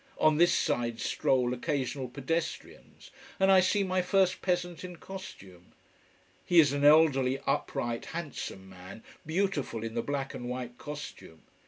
On this side stroll occasional pedestrians. And I see my first peasant in costume. He is an elderly, upright, handsome man, beautiful in the black and white costume.